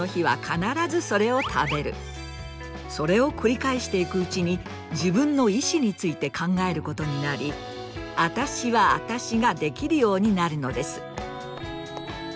それを繰り返していくうちに自分の意思について考えることになり“あたしはあたし”ができるようになるのです。